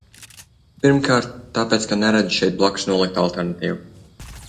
Pirmkārt, tāpēc, ka neredzu šeit blakus noliktu alternatīvu.